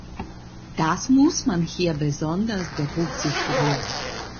Das muss man hier besonders berücksichtigen.